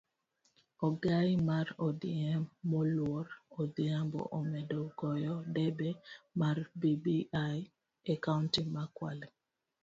Ogai mar odm moluor Odhiambo omedo goyo debe mar bbi e kaunti ma kwale